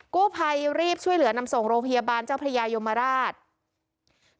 กู้ภัยรีบช่วยเหลือนำส่งโรงพยาบาลเจ้าพระยายมราช